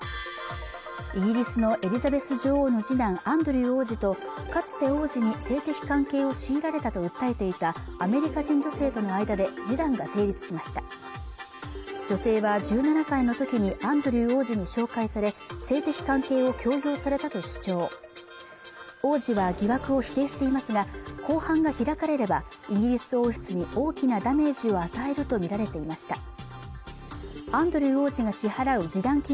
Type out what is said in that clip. イギリスのエリザベス女王の次男アンドリュー王子とかつて王子に性的関係を強いられたと訴えていたアメリカ人女性との間で示談が成立しました女性は１７歳の時にアンドリュー王子に紹介され性的関係を強要されたと主張王子は疑惑を否定していますが公判が開かれればイギリス王室に大きなダメージを与えると見られていました